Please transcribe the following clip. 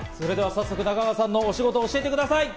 早速、中川さんの推しゴトを教えてください。